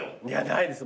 ないです。